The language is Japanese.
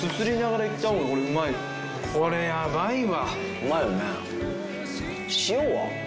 うまいよね。